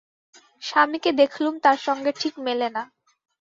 স্বামীকে দেখলুম, তার সঙ্গে ঠিক মেলে না।